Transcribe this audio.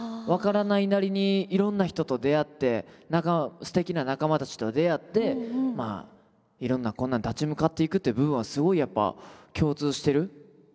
分からないなりにいろんな人と出会ってすてきな仲間たちと出会っていろんな困難に立ち向かっていくという部分はすごいやっぱ共通してる。